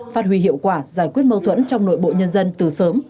phát huy hiệu quả giải quyết mâu thuẫn trong nội bộ nhân dân từ sớm